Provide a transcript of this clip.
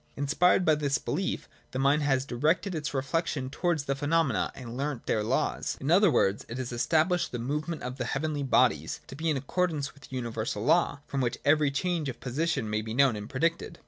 Inspired by this belief, the mind has directed its reflection towards the phenomena, and learnt their laws. In other words, it has established the movement of the heavenly bodies to be in accordance with a universal law from which every change of position may be known and predicted.